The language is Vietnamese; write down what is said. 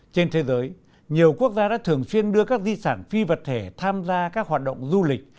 trên thế giới nhiều quốc gia đã thường xuyên đưa các di sản phi vật thể tham gia các hoạt động du lịch